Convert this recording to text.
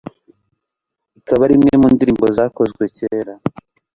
ikaba arimwe mu indirimbo zakozwe cyera